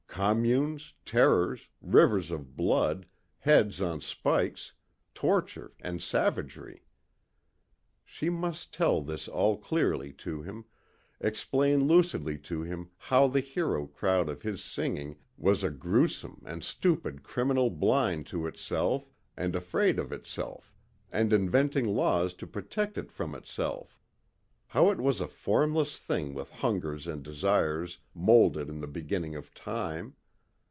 Communes, terrors, rivers of blood, heads on spikes, torture and savagery! She must tell this all clearly to him, explain lucidly to him how the hero crowd of his singing was a gruesome and stupid criminal blind to itself and afraid of itself and inventing laws to protect it from itself. How it was a formless thing with hungers and desires moulded in the beginning of Time.